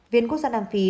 viện quốc gia nam phi